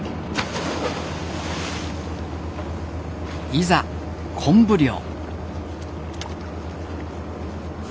いざ昆布漁。